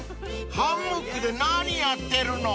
ハンモックで何やってるの？］